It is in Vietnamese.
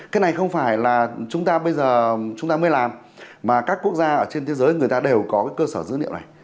cái này không phải là chúng ta mới làm mà các quốc gia trên thế giới đều có cơ sở dữ liệu này